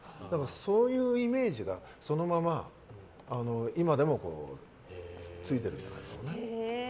そういうイメージがそのまま今でもついてるんじゃないですかね。